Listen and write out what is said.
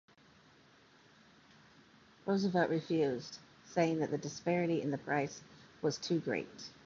Roosevelt refused, saying that the disparity in price was too great.